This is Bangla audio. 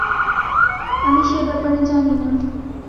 আমি সে ব্যাপারে জানি না।